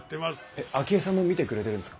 えっ明恵さんも見てくれてるんですか？